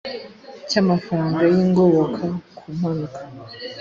cy amafaranga y ingoboka ku mpanuka